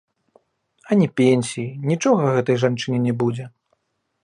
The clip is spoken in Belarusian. А ні пенсіі, нічога гэтай жанчыне не будзе.